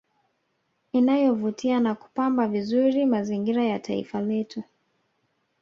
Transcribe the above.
Inayovutia na kupamba vizuri mazingira ya taifa letu